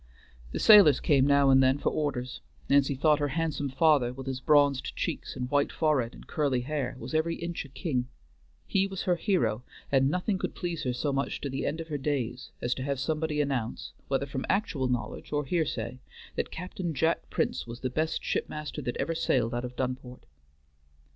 The sailors came now and then for orders; Nancy thought her handsome father, with his bronzed cheeks and white forehead and curly hair, was every inch a king. He was her hero, and nothing could please her so much to the end of her days as to have somebody announce, whether from actual knowledge or hearsay, that Captain Jack Prince was the best shipmaster that ever sailed out of Dunport....